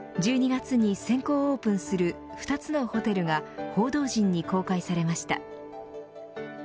１２月に先行オープンする２つのホテルが報道陣に公開されました。